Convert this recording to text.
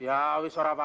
ya wisara pak